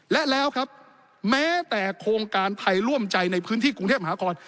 และแล้วครับแม้แต่โครงการไทยร่วมใจในพื้นที่กรุงเทพมหาคอน